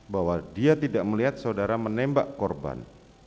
bahwa dia tidak melihat saudara menembak korban